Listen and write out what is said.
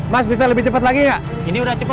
mas bisa lebih cepat lagi nggak